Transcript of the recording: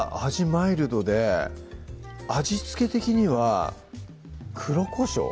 マイルドで味付け的には黒こしょう？